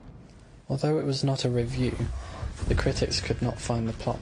Although it was not a revue, the critics could not find the plot.